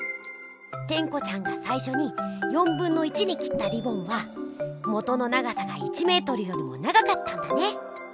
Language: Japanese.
テンコちゃんがさいしょに1/4に切ったリボンは元の長さが１メートルよりも長かったんだね。